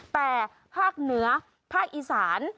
แต่ภาคเหนือภาคอีสาน